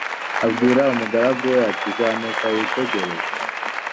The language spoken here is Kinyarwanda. abwira umugaragu we ati zamuka witegereze